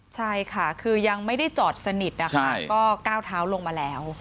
ใช่ค่ะคือยังไม่ได้จอดสนิทนะคะก็ก้าวเท้าลงมาแล้ว